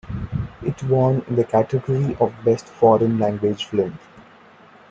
It won in the category of Best Foreign Language Film.